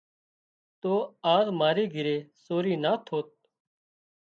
تو آز ماري گھري سورِي نا ٿوت